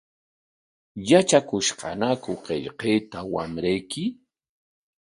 ¿Yatrakushqañaku qillqayta wamrayki?